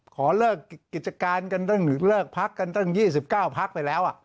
ขอเลิกกิจการกันตั้งเลิกพักกันตั้ง๒๙พักไปแล้ว